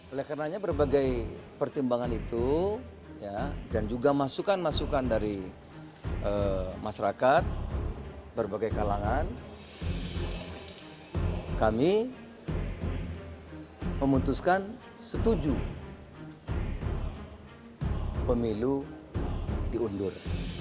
oleh karena berbagai pertimbangan itu dan juga masukan masukan dari masyarakat berbagai kalangan kami memutuskan setuju pemilu diundur